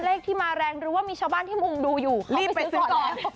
นั่นแหละหรือว่ามีชาวบ้านที่มุมดูอยู่เข้าไม่ซื้อก่อน